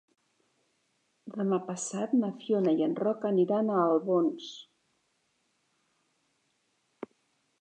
Demà passat na Fiona i en Roc aniran a Albons.